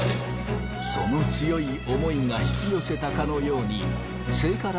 その強い思いが引き寄せたかのようにしかし。